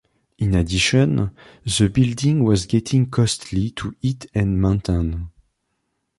In addition, the building was getting costly to heat and maintain.